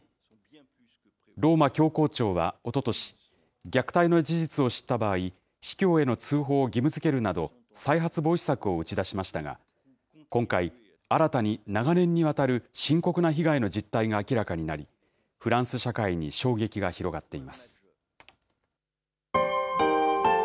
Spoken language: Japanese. ローマ教皇庁はおととし、虐待の事実を知った場合、司教への通報を義務づけるなど、再発防止策を打ち出しましたが、今回、新たに長年にわたる深刻な被害の実態が明らかになり、フランス社会に衝撃が広がっています。